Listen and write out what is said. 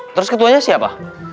terus ketuanya siapa